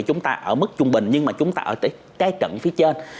chúng ta ở mức trung bình nhưng chúng ta ở trái trận phía trên